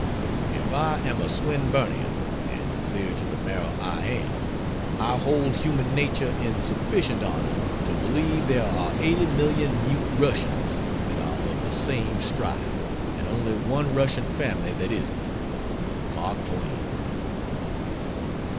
If I am a Swinburnian and clear to the marrow I am I hold human nature in sufficient honor to believe there are eighty million mute Russians that are of the same stripe, and only one Russian family that isn't. MARK TWAIN.